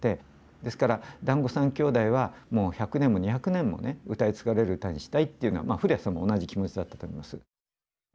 ですから「だんご３兄弟」はもう１００年も２００年もね歌い継がれる歌にしたいっていうのは古屋さんも同じ気持ちだったと思います。